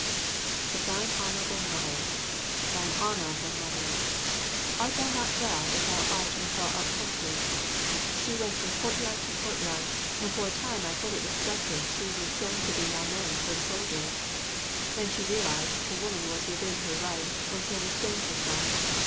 But thine Honourable Mother! Thine Honourable Mother! Art thou not glad that thou art in a far off country? She went from courtyard to courtyard, and for a time I fully expected she would send to the Yamen for the soldiers; then she realised the woman was within her right, and so restrained her self.